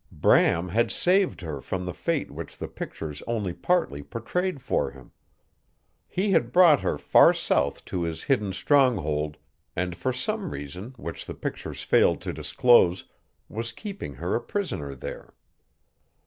Bram had saved her from the fate which the pictures only partly portrayed for him. He had brought her far south to his hidden stronghold, and for some reason which the pictures failed to disclose was keeping her a prisoner there.